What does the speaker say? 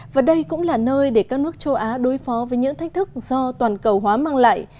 và đây cũng là nơi để các nước châu á đối phó với những thách thức do toàn cầu hóa mang lại